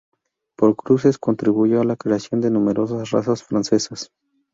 Por cruces, contribuyó a la creación de numerosas razas francesas.